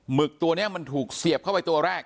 ึกตัวนี้มันถูกเสียบเข้าไปตัวแรก